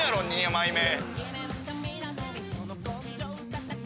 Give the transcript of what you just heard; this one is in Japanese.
２枚目。